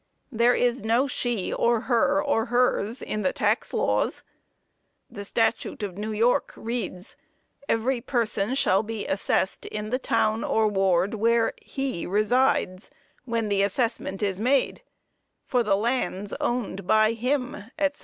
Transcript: There is no she, or her, or hers, in the tax laws. The statute of New York reads: "Every person shall be assessed in the town or ward where he resides when the assessment is made, for the lands owned by him, &c."